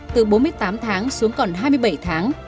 từ bốn mươi tám tháng xuống còn hai mươi bảy tháng